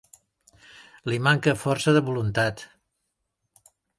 Li manca força de voluntat.